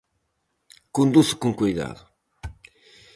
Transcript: Conduce con coidado.